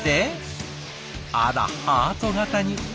あらハート形に。